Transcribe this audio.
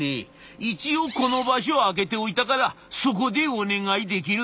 一応この場所を空けておいたからそこでお願いできる？」。